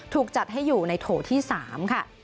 ถูกจัดให้อยู่ในโถที่๓ค่ะ